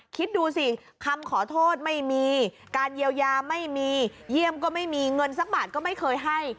คิดดูสิคำขอโทษไม่มีการเยียวยาไม่มีเยี่ยมก็ไม่มีเงินสักบาทก็ไม่เคยให้